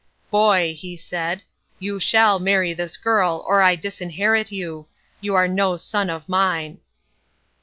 "Boy," he said, "you shall marry this girl or I disinherit you. You are no son of mine."